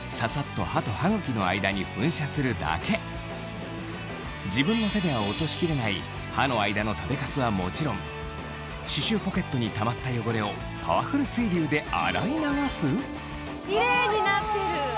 今それがいつもの自分の手では落としきれない歯の間の食べかすはもちろん歯周ポケットにたまった汚れをパワフル水流で洗い流すキレイになってる！